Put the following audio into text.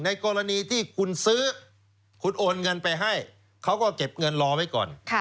กรณีที่คุณซื้อคุณโอนเงินไปให้เขาก็เก็บเงินรอไว้ก่อน